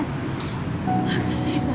tolong jagain kimizi mama